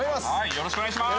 よろしくお願いします